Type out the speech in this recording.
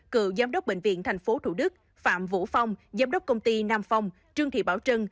cựu giám đốc bệnh viện tp thủ đức phạm vũ phong giám đốc công ty nam phong trương thị bảo trân